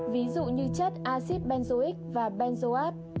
ví dụ như chất acid benzoic và benzoate